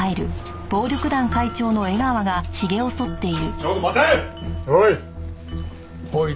ちょっと待て！